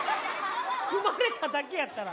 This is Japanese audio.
踏まれただけやったら。